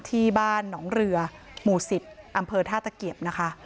ที่บ้านหนองเรือหมู่๑๐อำเภอท่าตะเกียบนะคะ